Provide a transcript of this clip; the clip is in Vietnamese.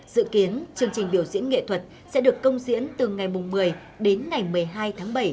dự kiến chương trình biểu diễn nghệ thuật sẽ được công diễn từ ngày một mươi đến ngày một mươi hai tháng bảy